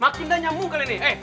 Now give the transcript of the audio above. makin dah nyamuk kalian nih